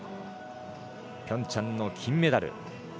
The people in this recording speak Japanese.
ピョンチャンの金メダル。